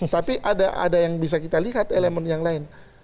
tapi ada yang bisa kita lihat elemen yang lain